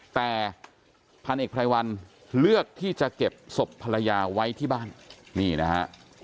แต่พันเอกไพรวัลเลือกที่จะเก็บศพภรรยาไว้ที่บ้านนี่นะฮะ